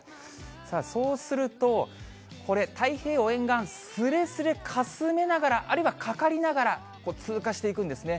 さあ、そうすると、これ、太平洋沿岸、すれすれかすめながら、あるいはかかりながら、通過していくんですね。